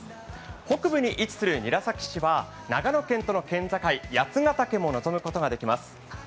北部に位置する韮崎市は長野県との県境、八ヶ岳を望むことができます。